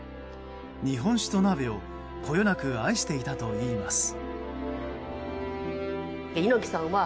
日本酒と鍋をこよなく愛していたといいます。